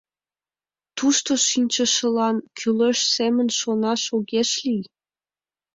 Тушто шинчышыла, кӱлеш семын шонаш огеш лий.